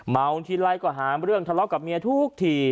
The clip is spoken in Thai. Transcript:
เมาทีไรก็หาเรื่องทะเลาะกับเมียทุกที